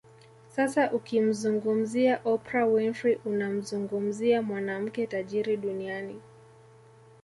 Sasa ukimzungumzia Oprah Winfrey unamzungumzia mwanamke tajiri Duniani